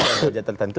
dalam derajat tertentu